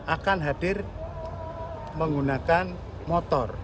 akan hadir menggunakan motor